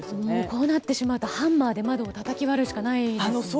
そうなるとハンマーで窓をたたき割るしかないですね。